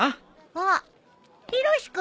あっヒロシ君。